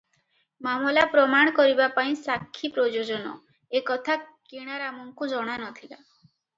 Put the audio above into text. ମାମଲା ପ୍ରମାଣ କରାଇବା ପାଇଁ ସାକ୍ଷୀ ପ୍ରୟୋଜନ, ଏ କଥା କିଣାରାମଙ୍କୁ ଜଣା ନ ଥିଲା ।